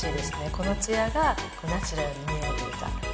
このツヤがナチュラルに見える。